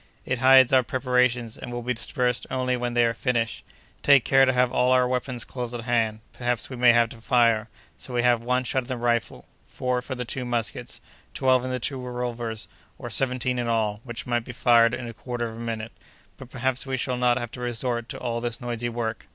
"It hides our preparations, and will be dispersed only when they are finished. Take care to have all our weapons close at hand. Perhaps we may have to fire; so we have one shot in the rifle; four for the two muskets; twelve in the two revolvers; or seventeen in all, which might be fired in a quarter of a minute. But perhaps we shall not have to resort to all this noisy work.